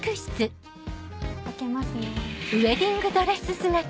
開けますね。